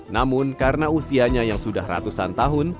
namun karena usianya yang sudah ratusan tahun